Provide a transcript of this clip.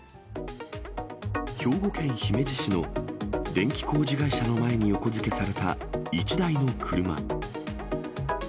兵庫県姫路市の電気工事会社の前に横付けされた１台の車。